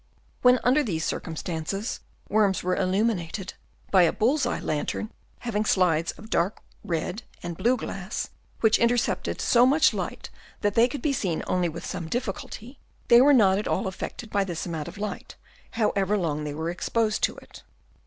When under these circumstances worms were illuminated by a bull's eye lantern having slides of dark red and blue glass, which in tercepted so much light that they could be seen only with some difficulty, they were not at all affected by this amount of light, however long they were exposed to it.